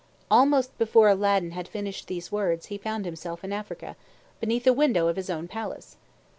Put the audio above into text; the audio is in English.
Almost before Aladdin had finished these words, he found himself in Africa, beneath a window of his own palace.